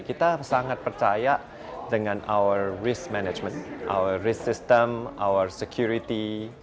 kita sangat percaya dengan risk management risk system security